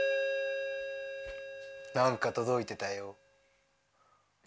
何か届いてたよ。